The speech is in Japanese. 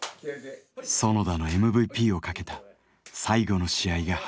園田のＭＶＰをかけた最後の試合が始まる。